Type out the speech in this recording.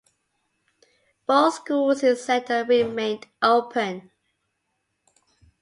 Both schools in Center remained open.